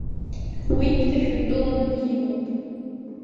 Уи бҭышәынтәаланы бимоуп.